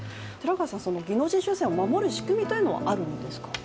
技能実習生を守る仕組みはあるんですか？